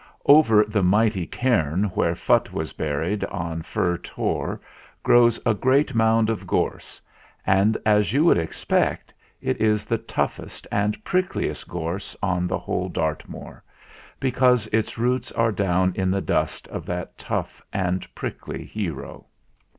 Over the mighty cairn where Phutt was buried on Fur Tor grows a great mound of gorse, and, as you would expect, it is the toughest and prickliest gorse on 57 58 THE FLINT HEART the whole of Dartmoor; because its roots are down in the dust of that tough and prickly hero.